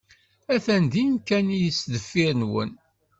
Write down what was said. Attan din kan sdeffir-wen.